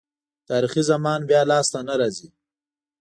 تاریخي زمان بیا لاسته نه راځي.